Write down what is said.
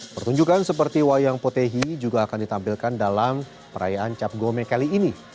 pertunjukan seperti wayang potehi juga akan ditampilkan dalam perayaan cap gome kali ini